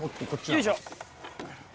よいしょ。